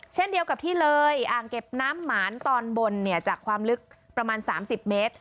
เช่นเดียวกับที่เลยอ่างเก็บน้ำหมานตอนบนเนี่ยจากความลึกประมาณ๓๐เมตร